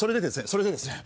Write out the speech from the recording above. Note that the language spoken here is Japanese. それでですね